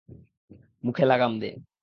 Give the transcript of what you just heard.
মুখে লাগাম দে!